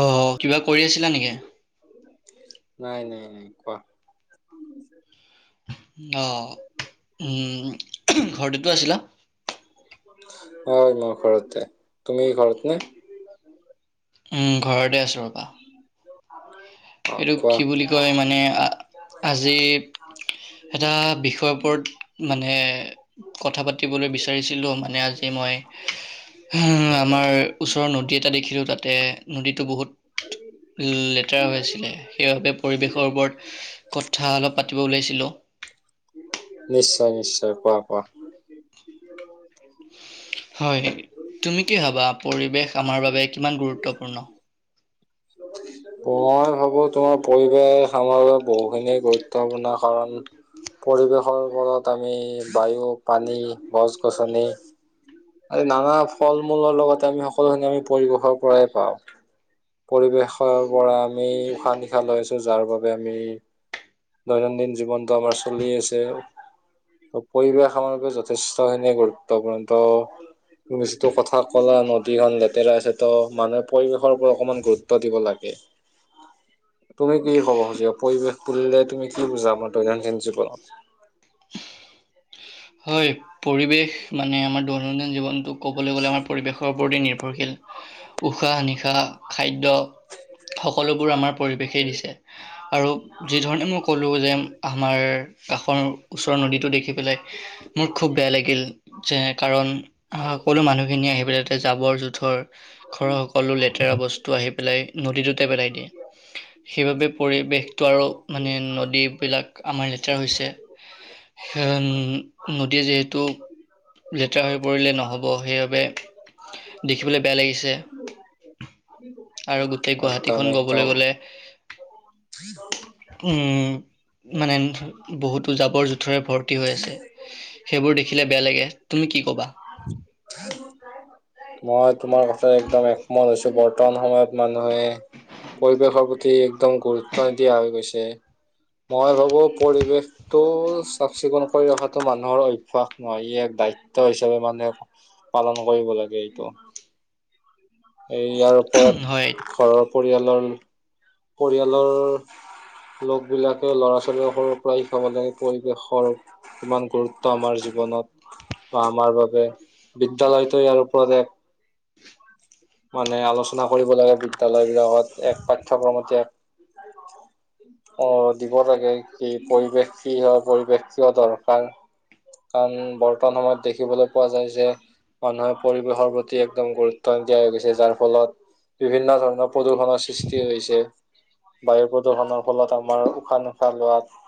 অ কিবা কৰি আছিলা নেকি নাই নাই নাই কোৱা অ উম ঘৰতেতো আছিলা হয় মই ঘৰতে তুমি ঘৰত নে উম ঘৰতে আছো ৰবা অ এইটো কোৱা কি বুলি কয় মানে আজি এটা বিষয়ৰ ওপৰত মানে কথা পাতিবলৈ বিচাৰিছিলোঁ মানে আজি মই হুহ আমাৰ ওচৰৰ নদী এটা দেখিলোঁ তাতে নদীটো বহুত লেতেৰা হৈ আছে আছিলে সেইবাবে পৰিৱেশৰ ওপৰত কথা অলপ পাতিব ওলাইছিলোঁ নিশ্চয় নিশ্চয় কোৱা কোৱা হয় তুমি কি ভাবা পৰিৱেশ আমাৰ বাবে কিমান গুৰুত্বপূৰ্ণ [unintelligible] মই ভাবো তোমাৰ পৰিৱেশ আমাৰ বাবে বহুখিনি গুৰুত্বপূৰ্ণ কাৰণ পৰিৱেশৰ ওপৰত আমি বায়ু পানী গছ গছনি নানা ফল মূলৰ লগতে আমি সকলোখিনি আমি পৰিৱেশৰ পৰাই পাওঁ পৰিৱেশৰ পৰা আমি উশাহ নিশাহ লৈ আছো যাৰ বাবে আমি দৈনন্দিন জীৱনটো আমাৰ চলি আছে। পৰিৱেশ আমাৰ বাবে যথেষ্টখিনি গুৰুত্বপূৰ্ণ ত তুমি যিটো কথা ক'লা নদীখন লেতেৰা আছে ত মানুহে পৰিৱেশৰ ওপৰত অকণমান গুৰুত্ব দিব লাগে। [unintelligible] তুমি কি কব খুজিবা পৰিৱেশ বুলিলে তুমি কি বুজা আমাৰ দৈনন্দিন জীৱনত হয়, পৰিৱেশ মানে আমাৰ দৈনন্দিন জীৱনতোক ক'বলৈ গ'লে আমাৰ পৰিৱেশৰ ওপৰতে নিৰ্ভৰশীল। উশাহ নিশাহ খাদ্য, সকলোবোৰ আমাৰ পৰিৱেশেই দিছে। আৰু যিধৰণে মই ক'লো যে, আমাৰ কাষৰ ওচৰৰ নদীটো দেখি পেলাই মোৰ খুব বেয়া [inaudible] লাগিল, যে কাৰণ সকলো মানুহখিনিয়ে আহি পেলাই তাত জাবৰ-জোথৰ ঘৰৰ সকলো লেতেৰা বস্তু আহি পেলাই নদীটোতে পেলাই দিয়ে। সেইবাবে পৰিৱেশটো আৰু মানে নদীবিলাক আমাৰ লেতেৰা হৈছে। [unintelligible] নদী যিহেতু লেতেৰা হৈ পৰিলে নহ'ব, সেইবাবে দেখিবলে বেয়া লাগিছে। আৰু গোটেই একদম গুৱাহাটীখন ক'বলৈ একদম। গ'লে উম [inaudible] মানে বহুটো জাবৰ-জোঁথৰে ভৰ্তি হৈ আছে। সেইবোৰ দেখিলে বেয়া লাগে। তুমি কি ক'বা? [inaudible] মই তোমাৰ কথা একদম একমত হৈছোঁ, বৰ্তমান সময়ত মানুহে পৰিৱেশৰ প্ৰতি একদম গুৰুত্ব নিদিয়া হৈ গৈছে। মই ভাবো পৰিৱেশ টো চাফ-চিকুণ কৰি ৰখাটো মানুহৰ অভ্যাস নহয়, ই দায়িত্ব হিচাপে মানুহে পালন কৰিব লাগে। এই ইয়াৰ ওপৰত হয় ঘৰৰ পৰিয়ালৰ পৰিয়ালৰ লোকবিলাকে ল'ৰা-ছোৱালীৰ সৰুৰ পৰাই শিকাব লাগে পৰিৱেশৰ কিমান গুৰুত্ব আমাৰ জীৱনত বা আমাৰ বাবে বিদ্যালয়তো ইয়াৰ ওপৰত এক মানে আলোচনা কৰিব লাগে বিদ্যয়ালয় বিলাকত, এক পাঠ্যক্ৰমত এক অ', দিব লাগে, কি পৰিৱেশ কি হয়, পৰিৱেশ কিয় দৰকাৰ? কাৰণ বৰ্তমান সময়ত দেখিবলৈ পোৱা যায় যে মানুহে পৰিৱেশৰ প্ৰতি একদম গুৰুত্ব নিদিয়া হৈ গৈছে, যাৰ ফলত বিভিন্ন ধৰণৰ প্ৰদূষণৰ সৃষ্টি হৈছে। বায়ু প্ৰদূষণৰ ফলত আমাৰ উশাহ-নিশাহ লোৱাত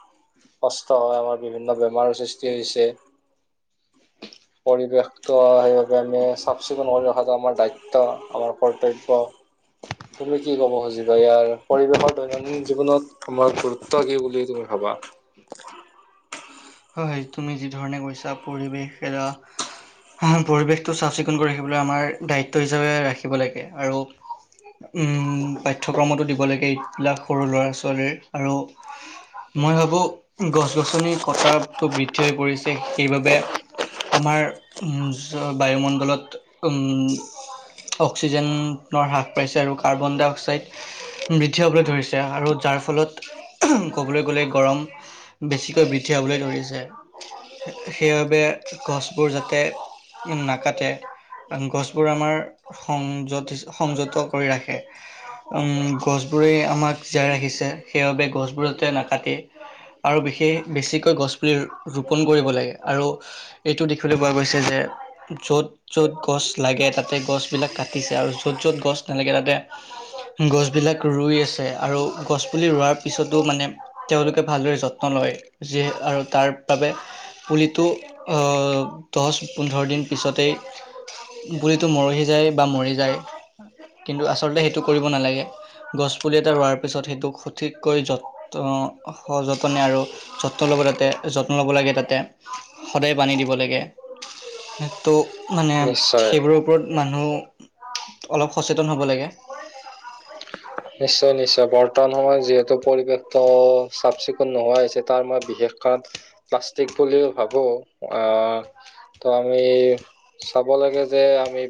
কষ্ট হয়, আমাৰ বিভিন্ন বেমাৰৰ সৃষ্টি হৈছে। পৰিৱেশটো সেইবাবে আমি চাফ-চিকুণ কৰি ৰখাটো আমাৰ দায়িত ত্ব, আমাৰ কৰ্তব্য। তুমি কি ক'ব খুজিবা, ইয়াৰ পৰিৱেশৰ দৈনন্দিন জীৱনত আমাৰ গুৰুত্ব কি বুলি, তুমি ভাবা? হয়, তুমি যি ধৰণে কৈছা পৰিৱেশ এৰা অঁ, পৰিৱেশটো চাফ-চিকুণ কৰি ৰাখিবলৈ, আমাৰ দায়িত্ব হিচাপে ৰাখিব লাগে, আৰু উম, পাঠ্যক্ৰমতো দিব লাগে, এইবিলাক সৰু ল'ৰা-ছোৱালীৰ আৰু মই ভাবো গছ-গছনিৰ কটাটো বৃদ্ধি হৈ পৰিছে, সেইবাবে আমাৰ উম, [unintelligible] বায়ুমণ্ডলত উম অক্সিজেনৰ হ্ৰাস পাইছে আৰু কাৰ্বন ডাই অক্সাইড বৃদ্ধি পাবলৈ ধৰিছে আৰু যাৰ ফলত ক'বলৈ গ'লে, গৰম বেছিকৈ বৃদ্ধি পাবলৈ ধৰিছে। সেইবাবে গছবোৰ যাতে উম, নাকাটে। গছবোৰ আমাৰ সংয-সংযত কৰি ৰাখে। উম, গছবোৰেই আমাক জীয়াই ৰাখিছে, ভাবা? সেইবাবে গছবোৰ যাতে নাকাটে আৰু বিশেষ বেছিকৈ গছ পুলি ৰোপন কৰিব লাগে আৰু এইটো দেখিবলৈ পোৱা গৈছে যে য'ত য'ত গছ লাগে তাতে গছবিলাক কাটিছে আৰু য'ত য'ত গছ নালাগে তাতে গছবিলাক ৰুই আছে আৰু গছ পুলি ৰোৱাৰ পিছতো মানে তেওঁলোকে ভালদৰে যত্ন লয়, জীয়ে আৰু তাৰ বাবে পুলিটো অ', দচ, পোন্ধৰ দিন পিছতেই পুলিতটো মৰহি যায় বা মৰি যায়। কিন্তু আচলতে সেইটো কৰিব নালাগে। গছ পুলি এটা ৰোৱাৰ পিছত সেইটোক সঠিককৈ যত, অ', সযতনে আৰু যত্ন ল'ব যাতে, যত্ন ল'ব লাগে যাতে, সদায় পানী দিব লাগে। সে টো মানে নিশ্চয়। সেইবোৰ ওপৰত মানুহ অলপ সচেতন হ'ব লাগে। নিশ্চয়, নিশ্চয় বৰ্তমান সময়ত যিহেতু পৰিৱেশটো চাফ-চিকুণ নোহোৱা হৈছে তাৰ মই বিশেষ [unintelligible] প্লাস্তিক বুলি ভাবো আহ ত, আমি চাব লাগে যে আমি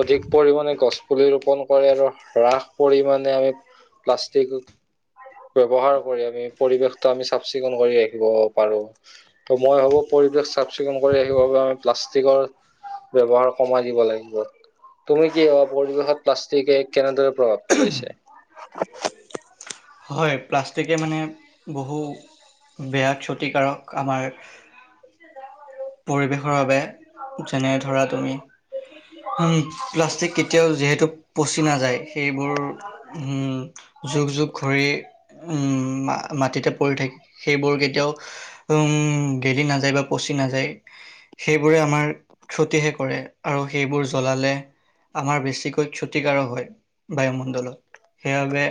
অধিক পৰিমণে গছ পুলি ৰোপন কৰে আৰু ৰাস পৰিমণ তা আমি প্লাষ্টিক ব্যৱহাৰ কৰি আমি পৰিৱেশতো আমি চাফ‌-চিকুণ কৰি ৰাখিব পাৰো। ত, মই ভাবো পৰিৱেশ চাফ-চিকুণ কৰি ৰাখিব বাবে আমি প্লাষ্টিকৰ ব্যৱহাৰ কমাই দিব লাগিব। তুমি কি ভাবা পৰিৱেশত প্লাষ্টিকে কেনেদৰে প্ৰভাৱ পেলাইছে। হয় প্লাষ্টিকে মানে বহু বেয়া ক্ষতিকাৰক আমাৰ [inaudible] পৰিৱেশৰ বাবে যেনে ধৰা তুমি উম, প্লাষ্টিক কেতিয়াও যিহেতু নাযায়, সেইবোৰ হ'ম যুগ যুগ ঘুৰি উম, মা মাটিতে পৰি থাকে, সেইবোৰ কেতিয়াও উম, গেলি নাযায় বা পচি নাযায় সেইবোৰে আমাৰ ক্ষতিহে কৰে আৰু সেইবোৰ জ্বলালে আমাৰ বেছিকৈ ক্ষতিকাৰক হয় বায়ুমণ্ডলত। সেইবাবে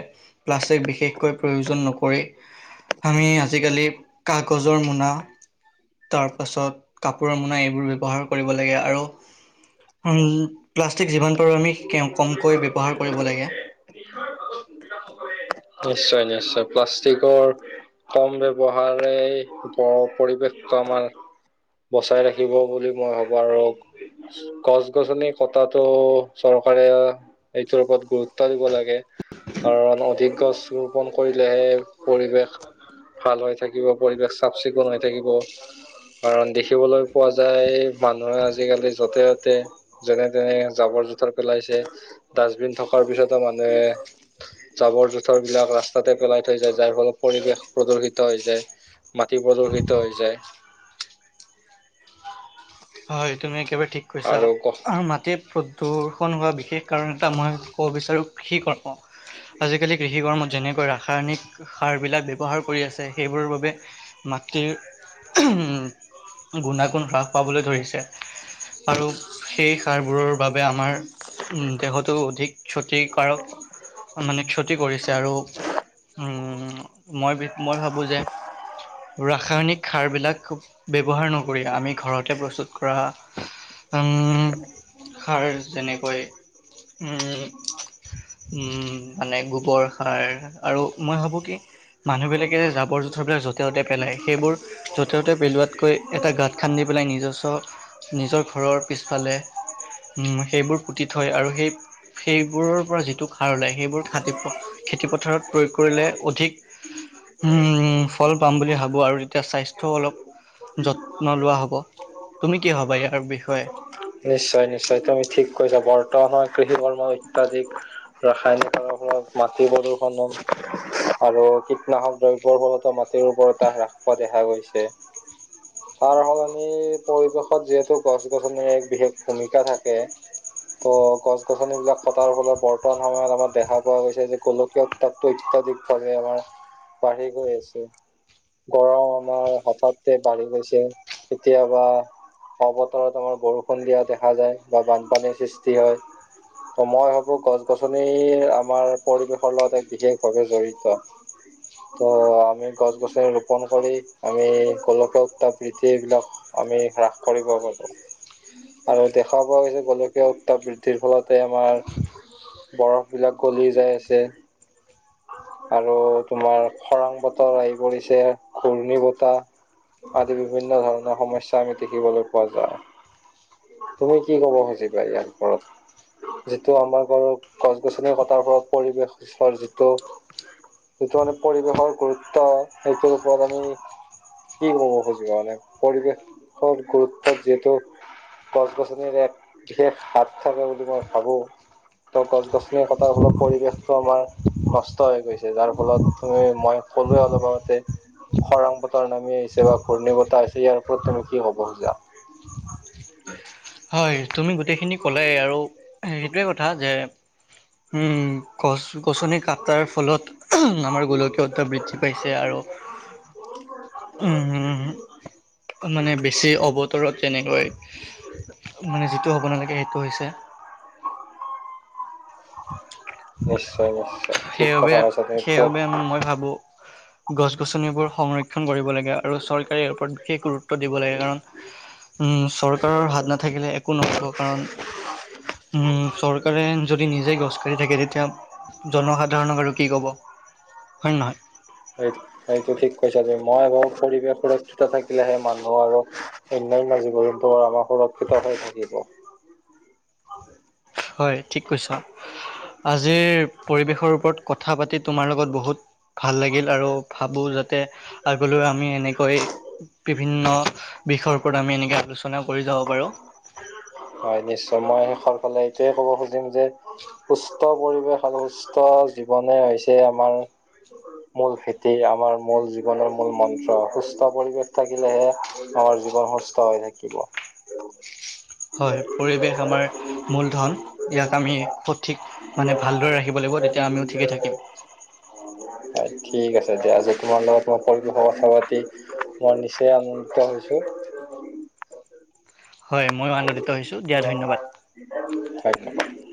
প্লাষ্টিক বিশেষকৈ প্ৰয়োজন নকৰি আমি আজিকালি কাগজৰ মোনা তাৰ পাছত কাপোৰৰ মোনা এইবোৰ ব্যৱহাৰ কৰিব লাগে আৰু উম, প্লাষ্টিক যিমান পাৰোঁ আমি কেও কমকৈ ব্যৱহাৰ কৰিব লাগে। নিশ্চয়, নিশ্চয় প্লাষ্টিকৰ কম ব্যৱহাৰেই বৰ পৰিৱেশটো আমাৰ বচাই ৰাখিব বুলি মই ভাবা আৰু গছ-গছনি কতাটো চৰকাৰে এইটোৰ ওপৰত গুৰুত্ব দিব লাগে। কাৰণ অধিক গছ ৰোপণ কৰিলেহে পৰিৱেশ ভাল হৈ থাকিব, পৰিৱেশ চাফ-চিকুণ হৈ থাকিব। কাৰণ দেখিবলৈ পোৱা যায় মানুহৰ আজিকালি য'তে ত'তে যেনে তেনে জাবৰ জোথৰ পেলাইছে, ডাষ্টবিন থকাৰ পিছতো মানুহে জাবৰ-জোথৰ বিলাক ৰাস্তাতে পেলাই থৈ যায়, যাৰ ফলত পৰিৱেশ প্ৰদষিত হৈ যায়। মাটি প্ৰদষিত হৈ যায়। হয়, তুমি একেবাৰে ঠিক কৈছা। আৰু আ', মাটিৰ প্ৰদূষণ হোৱা বিশেষ কাৰণ এটা মই ক'ব বিচাৰোঁ, [unintelligible] কৰ্ম আজিকালি কৃষি কৰ্মত যেনেকৈ, ৰাসায়নিক সাৰবিলাক ব্যৱহাৰ কৰি আছে, সেইবোৰৰ বাবে মাটিৰ, উম, গুণাগুণ হ্ৰাস পাবলৈ ধৰিছে আৰু সেই সাৰবোৰৰ বাবে আমাৰ উম, দেহতো অধিক ক্ষতিকাৰক মানে ক্ষতি কৰিছে আৰু উম, মই, মই ভাবোঁ যে ৰাসায়নিক সাৰ বিলাক ব্যৱহাৰ নকৰি, আমি ঘৰত তে প্ৰস্তুত কৰা, উম। সাৰ যেনেকৈ উম। উম, মানে গোবৰ সাৰ আৰু মই ভাবোঁ কি মানুহবিলাকে যে জাবৰ জোথৰবিলাক য'তে ত'তে পেলাই। সেইবোৰ য'তে ত'তে পেলোৱাতকৈ, এটা গাঁত খান্দি নিজ্বচ, নিজৰ ঘৰৰ পিছফালে উম, সেইবোৰ পুতি থৈ আৰু সেই সেইবোৰৰ পৰা যিটো সাৰ ওলায়, সেইবোৰ খা খেতি পথাৰত প্ৰয়োগ কৰিলে অধিক উম, ফল পাম বুলি ভাবোঁ আৰু তেতিয়া স্বাস্থ্যও অলপ যত্ন লোৱা হ'ব। তুমি কি ভাবা, ইয়াৰ বিষয়ে? নিশ্চয়, নিশ্চয় তুমি ঠিক কৈছা। বৰ্তমান কৃষি কৰ্ম অত্যাধিক ৰাসায়নিক সাৰৰ ফলত, মাটি প্ৰদূষণত আৰু কীটনাশক দ্ৰব্যৰ ফলতো মাটিৰ উৰ্বৰতা হ্ৰাস পোৱা দেখা গৈছে। তাৰ সলনি পৰিৱেশত যিহেতু গছ গছনি বিশেষ ভূমিকা থাকে। ত' গছ গছনিবলাক কটাৰ ফলত, বৰ্তমান আমাৰ দেখা পোৱা গৈছে যে, কলোঁ তাৎপৰ্য অত্যাধিকভাৱে, আমাৰ বাঢ়ি গৈ আছে। গৰম আমাৰ হঠাৎ বাঢ়ি গৈছে। কেতিয়াবা অৱতৰত আমাৰ বৰষুণ দিয়া দেখা যায়। বা বানপানীৰ সৃষ্টি হয়। ত' মই ভাবোঁ গছ গছনি আমাৰ পৰিৱেশৰ লগত এক বিশেষ ভাৱে জড়িত। [inaudible] ত' আমি, গছ গছনি ৰোপন কৰি, আমি গোলকীয় উত্তাপ বৃদ্ধি, এই বিলাক আমি হ্ৰাস কৰিব পাৰোঁ। আৰু দেখা পোৱা গৈছে, গোলকীয় উতাপ্ত বৃদ্ধিৰ ফলতে আমাৰ বৰফ বিলাক গলি যাই আছে। আৰু তোমাৰ খৰাং বতৰ আহি পৰিছে। ঘূৰ্ণী বতাহ আদি বিভিন্ন ধৰণৰ সমস্যা, আমি দেখিবলৈ পোৱা যায়। তুমি কি ক'ব খুজিবা, ইয়াৰ ওপৰত? যিটো আমাৰ ঘৰৰ গছ গছনি কটাৰ ফলত, পৰিৱেশৰ যিটো যিটো মানে পৰিৱেশৰ গুৰুত্ব, সেইটোৰ ওপৰত আমি কি ক'ব খুজিবা মানে, পৰিৱেশৰ গুৰুত্বত যিহেতু গছ গছনিৰ এক বিশেষ হাত থাকে বুলি, মই ভাবোঁ। ত' গছ গছনি কটাৰ ফলত, পৰিৱেশটো আমাৰ নষ্ট হৈ গৈছে। যাৰ ফলত, তুমি মই ক'লোৱে অলপ আগতে। খৰাং বতৰ নামি আহিছে, বা ঘূৰ্ণী বতাহ আহিছে। ইয়াৰ ওপৰত তুমি কি ক'ব খোজা? [inaudible] হয়, তুমি গোটেইখিনি কলাই আৰু সেইটোৱে কথা যে উম, গছ গছনি কটাৰ ফলত, আমাৰ গোলকীয়তা বৃদ্ধি পাইছে আৰু উম [inaudible] মানে, বেছি অৱতৰত যেনেকৈ মানে, যিটো হ'ব নালাগে, সেইটো হৈছে। নিশ্চয়, নিশ্চয়। ঠিক সেইবাবে, কথা কৈছা তুমি সেইবাবে মই ভাবোঁ? গছ-গছনিবোৰ সংৰক্ষণ কৰিব লাগে আৰু চৰকাৰে ইয়াৰ ওপৰত বিশেষ গুৰুত্ব দিব লাগে। কাৰণ উম্, চৰকাৰৰ হাত নাথাকিলে, একো নহ'ব কাৰণ উম্, চৰকাৰে যদি নিজে গছ কাটি থাকে, তেতিয়া জনসাধাৰণক আৰু কি ক'ব, হয় নহয়? হয়, এইটো ঠিক কৈছাঁ তুমি। মই আৰু পৰিৱেশ সুৰক্ষিত থাকিলেহে মানুহ আৰু অন্যান্য জীৱ-জন্তু বোৰো আমাৰ সুৰক্ষিত হৈ থাকিব। হয়, ঠিক কৈছাঁ। আজিৰ পৰিৱেশৰ ওপৰত কথা পাতি তোমাৰ লগত বহুত ভাল লাগিল আৰু ভাবোঁ, যাতে আগলৈ আমি এনেকৈ বিভিন্ন বিষয়ৰ ওপৰত আমি এনেকে আলোচনা কৰি যাব পাৰোঁ। হয়, নিশ্চয়। মই শেষৰ ফালে এইটোৱে ক'ব খুজিম যে সুস্থ পৰিৱেশ আৰু সুস্থ জীৱনে হৈছে আমাৰ মূল ভেটি, আমাৰ মূল জীৱনৰ মূল মন্ত্ৰ। সুস্থ পৰিৱেশ থাকিলেহে আমাৰ জীৱন সুস্থ হৈ থাকিব। হয়, পৰিৱেশ আমাৰ মূলধন। ইয়াক আমি সঠিক মানে ভালদৰে ৰাখিব লাগিব, তেতিয়া আমিও ঠিকে থাকিম। অ', ঠিক আছে দিয়া, আজি তোমাৰ লগত মই পৰিৱেশৰ কথা পাতি মই নিচেই আনন্দিত হৈছোঁ। হয়, মইও আনন্দিত হৈছোঁ, দিয়া ধন্যবাদ। হয়।